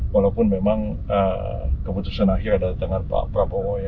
walaupun memang keputusan akhir ada di tangan pak prabowo ya